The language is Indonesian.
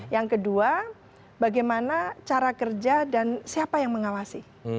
yang kedua bagaimana cara kerja dan siapa yang mengawasi